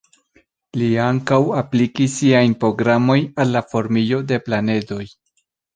Li ankaŭ aplikis siajn programojn al la formiĝo de planedoj.